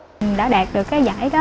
mình đã đạt được cái giải đó